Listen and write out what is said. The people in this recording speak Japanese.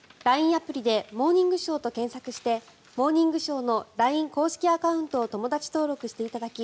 アプリで「モーニングショー」と検索して「モーニングショー」のＬＩＮＥ公式アカウントを友だち登録してただき